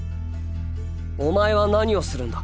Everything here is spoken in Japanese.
お前は何をするんだ？